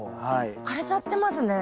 枯れちゃってますね。